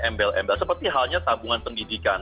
embel embel seperti halnya tabungan pendidikan